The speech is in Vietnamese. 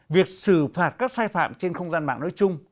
việc xử phạt các sai phạm trên không gian mạng nói chung